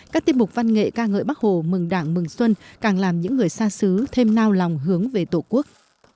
các tiết mục văn nghệ ca ngợi bắc hồ mừng đảng mừng xuân càng làm những người xa xứ thêm nao lòng hướng về tổ quốc